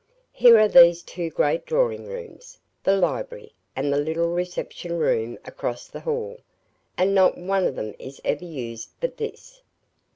Here are these two great drawing rooms, the library, and the little reception room across the hall, and not one of them is ever used but this.